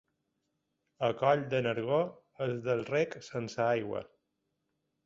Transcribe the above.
A Coll de Nargó, els del rec sense aigua.